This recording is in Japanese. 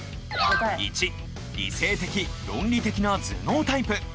１理性的論理的な頭脳タイプ。